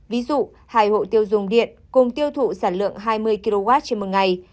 ví dụ hai hộ tiêu dùng điện cùng tiêu thụ sản lượng hai mươi kw trên một ngày